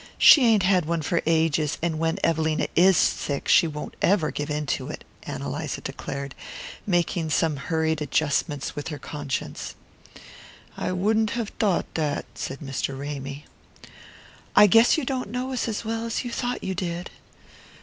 She ain't had one for ages, and when Evelina IS sick she won't never give in to it," Ann Eliza declared, making some hurried adjustments with her conscience. "I wouldn't have thought that," said Mr. Ramy. "I guess you don't know us as well as you thought you did."